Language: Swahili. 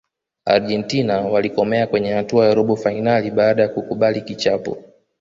argentina walikomea kwenye hatua ya robo fainali baada ya kukubali kichapo